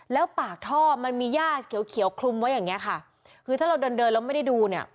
แล้วปากท่อมันมีย่าเขียวเขียวคลุมไว้อย่างเงี้ยค่ะคือถ้าเราเดินเดินแล้วไม่ได้ดูเนี่ย